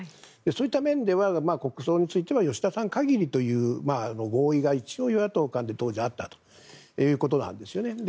そういった面では国葬については吉田さん限りという合意が一応、与野党間であったということなんですね。